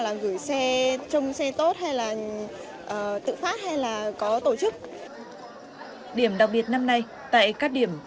là gửi xe trông xe tốt hay là tự phát hay là có tổ chức điểm đặc biệt năm nay tại các điểm